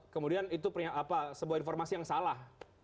kemudian itu sebuah informasi yang salah